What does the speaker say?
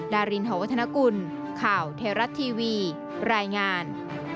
ดารินหอวัฒนกุลข่าวไทยรัฐทีวีรายงาน